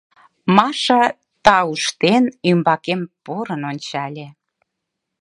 Маша, тауштен, ӱмбакем порын ончале.